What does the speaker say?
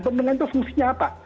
bendungan itu fungsinya apa